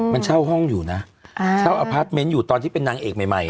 มันเช่าห้องอยู่นะเช่าอพาร์ทเมนต์อยู่ตอนที่เป็นนางเอกใหม่